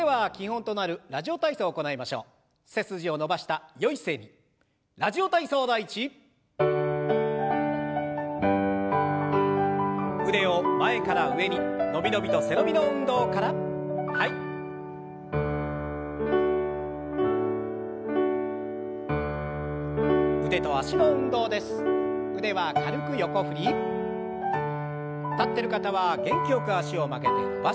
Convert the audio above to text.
立ってる方は元気よく脚を曲げて伸ばします。